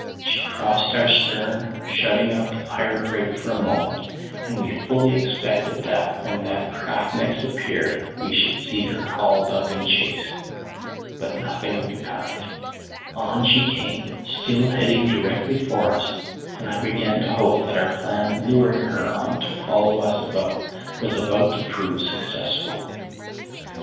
She crossed our stern, shutting out the pirate brig for a moment, and we fully expected that when that craft next appeared we should see her hauled up in chase; but nothing of the kind; on she came, still heading direct for us, and I began to hope that our plan of luring her on to follow us was about to prove; successful.